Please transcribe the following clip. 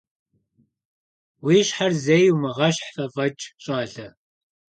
Уи щхьэр зэи умыгъэщхъ афӀэкӀ, щӀалэ!